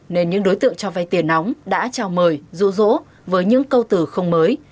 nên những đối tượng cho vay tiền nóng đã trao mời rũ rỗ với những câu từ không mới